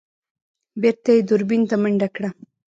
بېرته يې دوربين ته منډه کړه.